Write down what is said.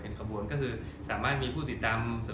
ขบวนก็คือสามารถมีผู้ติดตาม